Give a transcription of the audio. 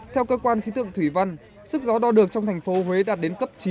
theo cơ quan khí tượng thủy văn sức gió đo được trong thành phố huế đạt đến cấp chín